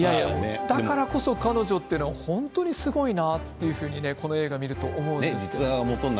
だからこそ彼女は本当にすごいなと、この映画を見ると思うんですね。